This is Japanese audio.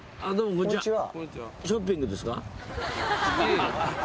こんにちは。